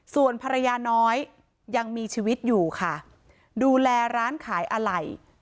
ส่วนภรรยาน้อยยังมีชีวิตอยู่ค่ะดูแลร้านขายอะไหล่